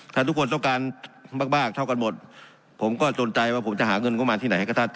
ถ้าทุกคนต้องการมากเท่ากันหมดผมก็จนใจว่าผมจะหาเงินเข้ามาที่ไหนก็ท่าน